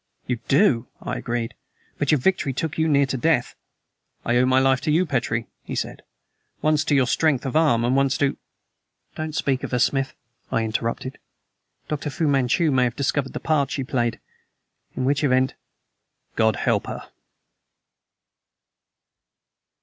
"You do," I agreed; "but your victory took you near to death." "I owe my life to you, Petrie," he said. "Once to your strength of arm, and once to " "Don't speak of her, Smith," I interrupted. "Dr. Fu Manchu may have discovered the part she played! In which event " "God help her!"